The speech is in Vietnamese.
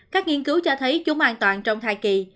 các nghiên cứu cho thấy chúng an toàn trong thai kỳ